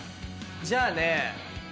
じゃあね。